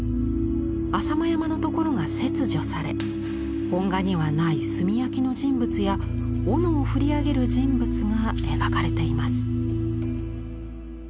浅間山のところが切除され本画にはない炭焼きの人物や斧を振り上げる人物が描かれています。